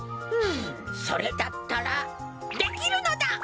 それだったらできるのだ！